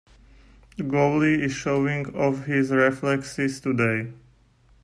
The goalie is showing off his reflexes today.